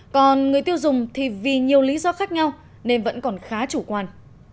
còn người tiêu dùng thì vì nhiều lý do khác nhau nên vẫn còn khá chủ quan